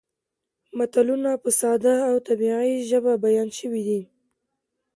متلونه په ساده او طبیعي ژبه بیان شوي دي